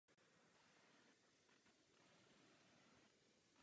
Jednotlivé závody se konají nad pevninou i nad vodní hladinou.